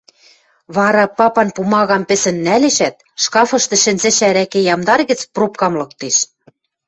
Вара папан пумагам пӹсӹн нӓлешӓт, шкафышты шӹнзӹшӹ ӓрӓкӓ ямдар гӹц пробкам лыктеш